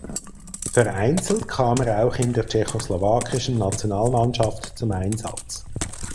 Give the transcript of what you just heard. Vereinzelt kam er auch in der tschechoslowakischen Nationalmannschaft zum Einsatz.